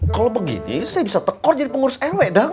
kalau begini saya bisa tekor jadi pengurus rw dong